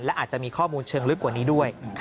และอาจจะมีข้อมูลเชิงลึกกว่านี้ด้วย